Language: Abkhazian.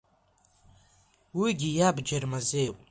Уигьы иабџьар мазеиуп.